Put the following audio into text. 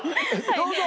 どうぞ！